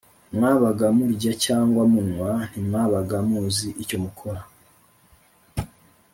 Mwabaga murya cyangwa munywa ntimwabaga muzi icyo mukora